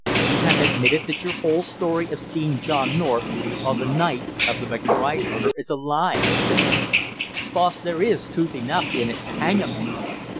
"You have admitted that your whole story of seeing John North on the night of the McBride murder is a lie," said the judge. "Boss, there is truth enough in it to hang a man!"